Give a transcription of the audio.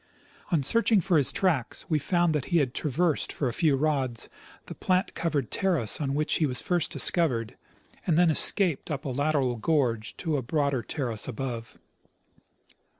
On searching for his tracks, we found that he had traversed for a few rods the plant covered terrace on Avhich he was first discovered, and then escaped up a lateral gorge to a broader terrace above.